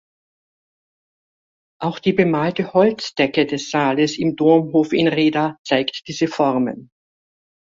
Auch die bemalte Holzdecke des Saales im Domhof in Rheda zeigt diese Formen.